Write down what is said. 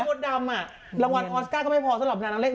ก็ต้องกลัวที่ผมไม่มดด่ำอะรางวัลออนสคาร์ก็ไม่พอสำหรับนางเล่น